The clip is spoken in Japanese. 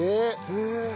へえ。